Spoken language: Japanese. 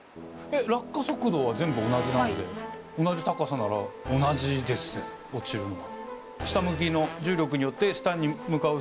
落下速度は全部同じなんで同じ高さなら同じでっせ落ちるのは。